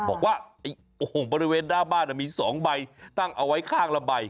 บอกว่าโอ้โหบริเวณหน้าบ้านมี๒ใบตั้งเอาไว้ข้างละใบ